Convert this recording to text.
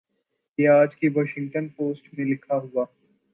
یہ آج کی واشنگٹن پوسٹ میں لکھا ہوا